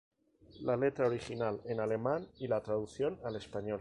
La letra original en alemán y la traducción al español.